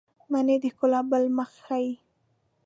منی د ښکلا بل مخ ښيي